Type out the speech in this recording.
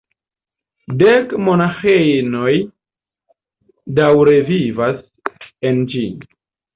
Dek monaĥinoj daŭre vivas en ĝi.